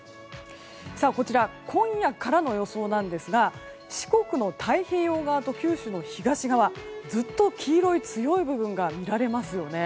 こちら今夜からの予想なんですが四国の太平洋側と九州の東側ずっと黄色い強い部分が見られますよね。